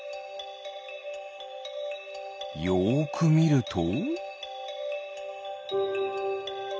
よくみると？